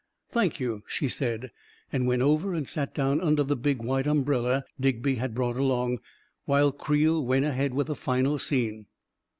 " Thank you," she said, and went over and sat down under the big white umbrella Digby had brought along, while Creel went ahead with the final scene.